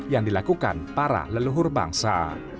yang dilakukan para leluhur bangsa